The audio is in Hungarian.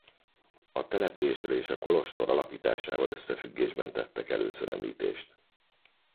A településről is a kolostor alapításával összefüggésben tettek először említést.